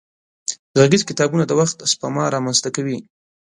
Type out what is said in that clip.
غږيز کتابونه د وخت سپما را منځ ته کوي.